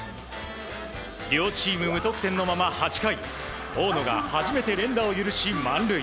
両チーム無得点のまま８回大野が初めて連打を許し、満塁。